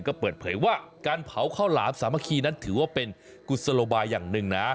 ก็เปิดเผยว่าการเผาข้าวหลามสามัคคีนั้นถือว่าเป็นกุศโลบายอย่างหนึ่งนะ